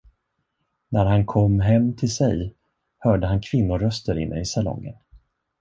När han kom hem till sig, hörde han kvinnoröster inne i salongen.